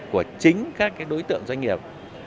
của chính các cái đối tượng doanh nghiệp